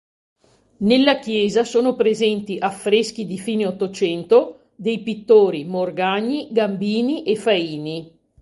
Nella chiesa sono presenti affreschi di fine Ottocento dei pittori Morgagni, Gambini e Faini.